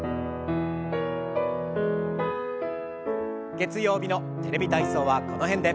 月曜日の「テレビ体操」はこの辺で。